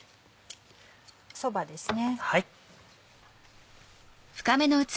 そばですね。